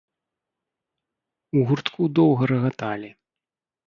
У гуртку доўга рагаталі.